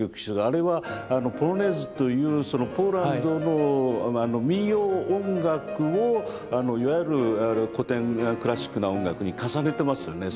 あれはポロネーズというそのポーランドの民謡音楽をいわゆる古典クラシックな音楽に重ねてますよね。